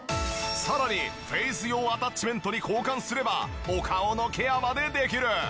さらにフェイス用アタッチメントに交換すればお顔のケアまでできる！